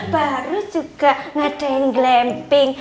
baru juga ngadain glamping